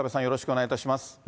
よろしくお願いします。